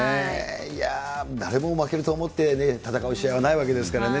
いやー、誰も負けると思って戦う試合はないわけですからね。